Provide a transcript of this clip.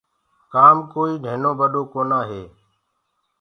ڪآم ڪوئيٚ نهينو ٻڏو ڪونآ هي